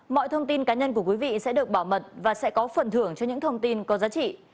mọi thông tin cá nhân của quý vị sẽ được bảo mật và sẽ có phần thưởng cho những thông tin có giá trị